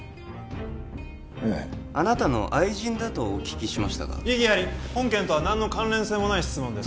ええあなたの愛人とお聞きしましたが異議あり本件とは何の関連性もない質問です